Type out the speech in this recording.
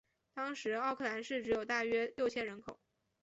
当时奥克兰市只有大约六千人口。